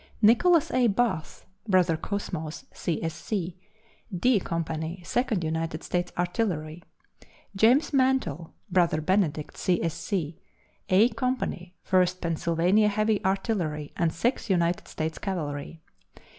Nicholas A. Bath (Brother Cosmos, C. S. C.), D Company, Second United States Artillery. James Mantle (Brother Benedict, C. S. C.), A Company, First Pennsylvania Heavy Artillery and Sixth United States Cavalry.